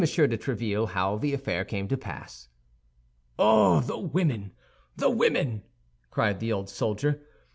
de Tréville how the affair came to pass. "Oh, the women, the women!" cried the old soldier.